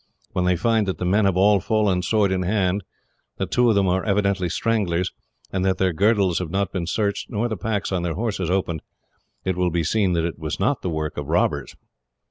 When they find that the men have all fallen, sword in hand, that two of them are evidently Stranglers, and that their girdles have not been searched, nor the packs on their horses opened, it will be seen that it was not the work of robbers.